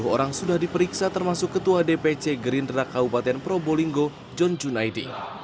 dua puluh orang sudah diperiksa termasuk ketua dpc gerindra kabupaten probolinggo john junaidi